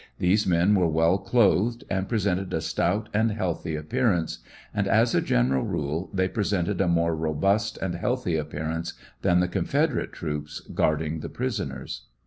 These men were well clothed, and presented a stout and healthy appearance, and as a general rule they presented a more robust and healthy appearance than the Confederate troops guarding the prisoners.